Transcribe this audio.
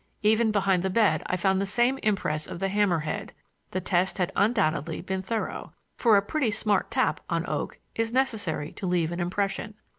Even behind the bed I found the same impress of the hammer head; the test had undoubtedly been thorough, for a pretty smart tap on oak is necessary to leave an impression.